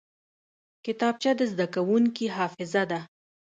کتابچه د زده کوونکي حافظه ده